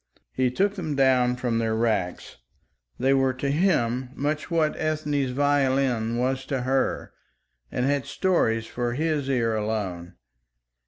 He took them down from their racks. They were to him much what Ethne's violin was to her and had stories for his ear alone.